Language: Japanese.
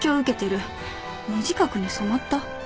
無自覚に染まった？